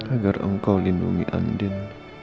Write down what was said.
agar engkau lindungi andin